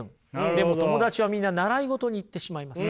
でも友達はみんな習い事に行ってしまいます。